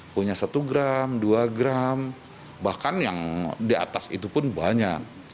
punya satu gram dua gram bahkan yang di atas itu pun banyak